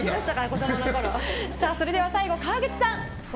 それでは最後、川口さん。